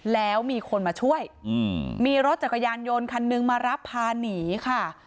แล้วมีคนมาช่วยมีรถจักรยานยนต์คันนึงมารับพาหนีค่ะ